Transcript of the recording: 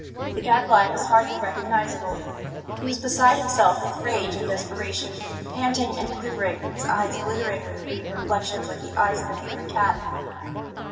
The Gadfly was hardly recognizable; he was beside himself with rage and desperation, panting and quivering, his eyes glittering with green reflections like the eyes of an angry cat.